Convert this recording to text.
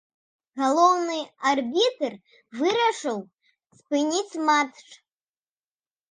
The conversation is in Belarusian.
Галоўны арбітр вырашыў спыніць матч.